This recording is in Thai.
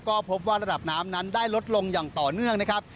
ก็พบว่าระดับน้ำนั้นได้ลดลงอย่างต่อเนื่องนะครับ